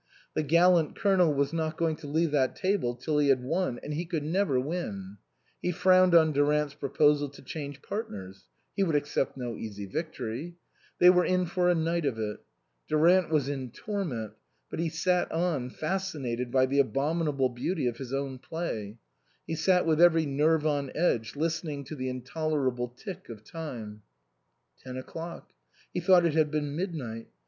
The gallant Colonel was not going to leave that table till he had won, and he could never win. He frowned on Durant's proposal to change partners ; he would accept no easy victory. They were in for a night of it. Durant was in torment, but he sat on, fascinated by the abominable beauty of his own play ; he sat with every nerve on edge, lis tening to the intolerable tick of time. Ten o'clock. He thought it had been mid night.